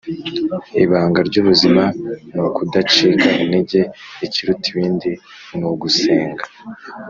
Ibanga ryubuzima nukudacika intege ikiruta ibindi nugusenga